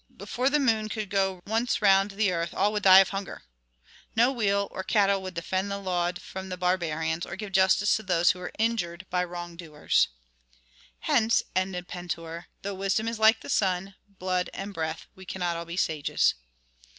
Before the moon could go once round the earth all would die of hunger. No wheel or cattle would defend the land from barbarians, or give justice to those who were injured by wrong doers. "Hence," ended Pentuer, "though wisdom is like the sun, blood and breath, we cannot all be sages."